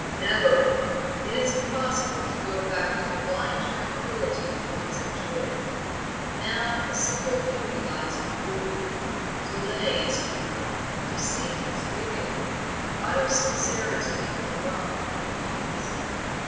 "Never! It is impossible to go back to the blind tranquillity you once enjoyed. Now a single duty lies before you; delay is weak, deceit is wicked; utter sincerity alone can help us.